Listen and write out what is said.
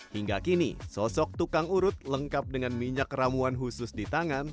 hingga kini sosok tukang urut lengkap dengan minyak ramuan khusus di tangan